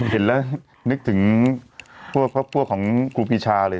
เห็นแล้วนึกถึงพวกของครูปีชาเลย